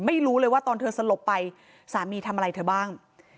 ไม่รู้เลยว่าตอนเธอสลบไปสามีทำอะไรเธอบ้าง